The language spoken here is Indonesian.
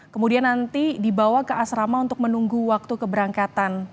kemudian nanti dibawa ke asrama untuk menunggu waktu keberangkatan